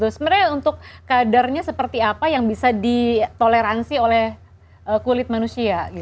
sebenarnya untuk kadarnya seperti apa yang bisa ditoleransi oleh kulit manusia